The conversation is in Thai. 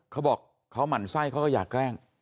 เขาบอกเขาหมั่นไส้เขาก็อยากแกล้ง